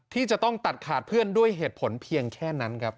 ที่จะต้องตัดขาดเพื่อนด้วยเหตุผลเพียงแค่นั้นครับ